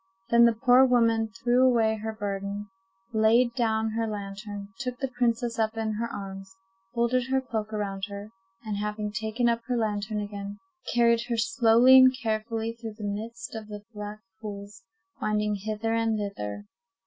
Then the poor woman threw away her burden, laid down her lantern, took the princess up in her arms, folded her cloak around her, and having taken up her lantern again, carried her slowly and carefully through the midst of the black pools, winding hither and thither.